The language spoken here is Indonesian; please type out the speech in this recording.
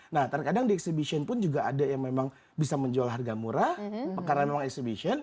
nah terkadang di exhibition pun juga ada yang memang bisa menjual harga murah karena memang exhibition